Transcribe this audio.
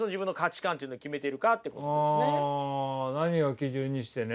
あ何を基準にしてね。